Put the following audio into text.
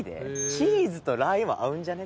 チーズとラー油は合うんじゃね？